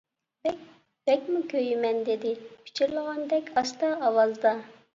بەك. بەكمۇ كۆيىمەن-، دېدى پىچىرلىغاندەك ئاستا ئاۋازدا.